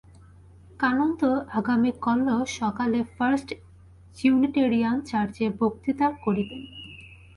কানন্দ আগামীকল্য সকালে first Unitarian চার্চ-এ বক্তৃতা করিবেন।